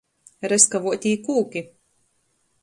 Reskavuotī kūki.